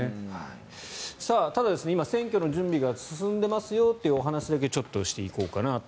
ただ、今、選挙の準備が進んでいますよというお話だけちょっとしていこうかなと。